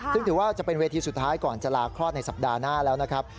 ซึ่งถือว่าจะเป็นเวทีสุดท้ายก่อนจะลาคลอดในสัปดาห์หน้าแล้วนะครับ